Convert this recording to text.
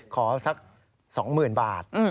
ขอสัก๒๐๐๐บาท